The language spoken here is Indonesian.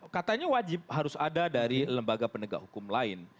katanya wajib harus ada dari lembaga penegak hukum lain